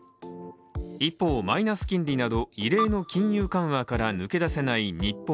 一方、マイナス金利など異例の金融緩和から抜け出せない日本。